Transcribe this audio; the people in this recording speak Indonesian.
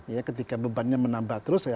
ya ketika bebannya menambah terus ya